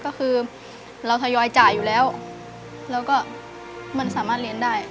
ก็คือเราทยอยจ่ายอยู่แล้วแล้วก็มันสามารถเรียนได้